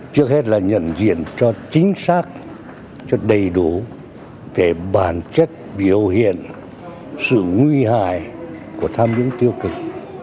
trước hết là nhận diện cho chính xác cho đầy đủ về bản chất biểu hiện sự nguy hại của tham nhũng tiêu cực